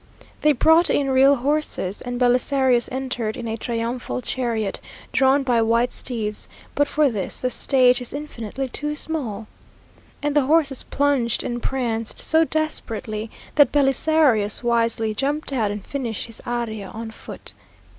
They brought in real horses, and Belisarius entered in a triumphal chariot, drawn by white steeds; but for this the stage is infinitely too small, and the horses plunged and pranced so desperately, that Belisarius wisely jumped out and finished his aria on foot.